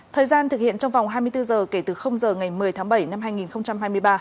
thời gian thực hiện trong vòng hai mươi bốn giờ kể từ giờ ngày một mươi tháng bảy năm hai nghìn hai mươi ba